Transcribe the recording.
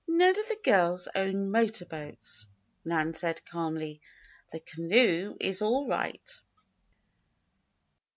"None of the girls own motor boats," Nan said, calmly. "The canoe is all right."